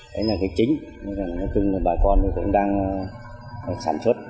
đấy là cái chính là nói chung là bà con cũng đang sản xuất